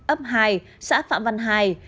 ấp hai xã phạm văn hài